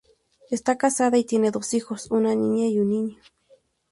Está casada y tiene dos hijos, una niña y un niño.